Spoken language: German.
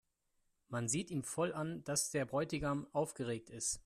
Man sieht ihm voll an, dass der Bräutigam aufgeregt ist.